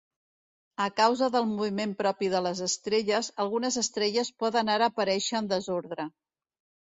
A causa del moviment propi de les estrelles, algunes estrelles poden ara aparèixer en desordre.